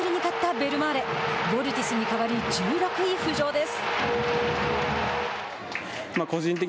ヴォルティスに代わり１６位浮上です。